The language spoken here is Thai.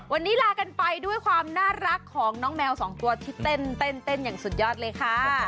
วันนี้ลากันไปด้วยความน่ารักของน้องแมวสองตัวที่เต้นอย่างสุดยอดเลยค่ะ